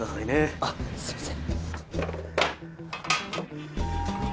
あっすいません。